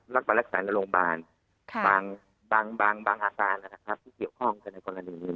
รักษาในโรงพยาบาลบางอาการนะครับที่เกี่ยวข้องกันในกรณีนี้